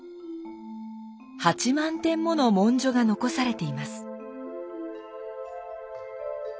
８万点もの文書が残されています。